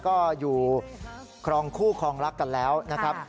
ก็อยู่ครองคู่ครองรักกันแล้วนะครับ